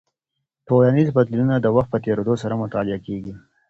ټولنیز بدلونونه د وخت په تېرېدو سره مطالعه کیږي.